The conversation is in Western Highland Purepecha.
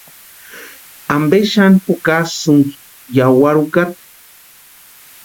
¿Ampe xani jukasïnki yawarhi úkata?